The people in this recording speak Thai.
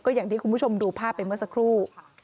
อย่างที่คุณผู้ชมดูภาพไปเมื่อสักครู่